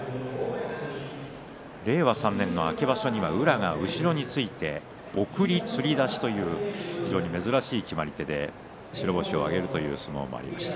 令和３年の秋場所には宇良が後ろについて送りつり出しという非常に珍しい決まり手で白星を挙げるという相撲もありました。